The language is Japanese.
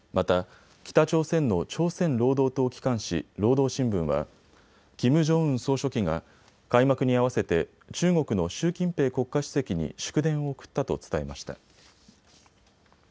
また北朝鮮の朝鮮労働党機関紙、労働新聞はキム・ジョンウン総書記が開幕に合わせて中国の習近平国家主席に祝電を送ったと伝えました。